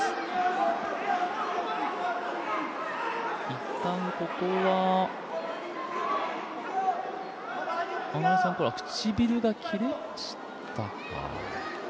一旦、ここは唇が切れましたか。